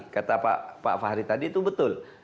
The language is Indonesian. kata pak fahri tadi itu betul